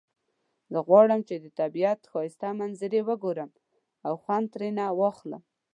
زه غواړم چې د طبیعت ښایسته منظری وګورم او خوند ترینه واخلم